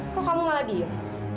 kok kamu malah diam